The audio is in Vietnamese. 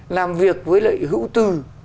làm việc với lại hữu tư